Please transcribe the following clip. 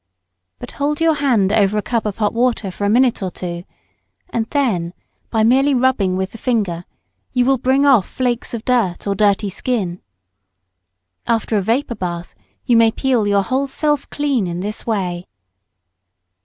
But hold your hand over a cup of hot water for a minute or two, and then, by merely rubbing with the finger, you will bring off flakes of dirt or dirty skin. After a vapour bath you may peel your whole self clean in this way.